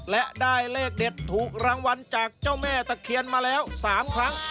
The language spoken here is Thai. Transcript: และได้เลขเด็ดถูกรางวัลจากเจ้าแม่ตะเคียนมาแล้ว๓ครั้ง